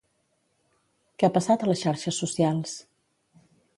Què ha passat a les xarxes socials?